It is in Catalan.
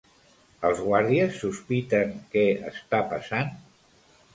Els guàrdies sospiten què està passant?